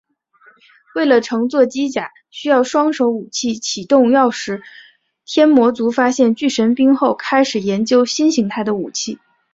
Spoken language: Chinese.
为了乘坐机甲需要双手武器启动钥匙天魔族发现巨神兵后开始研究新形态的武器。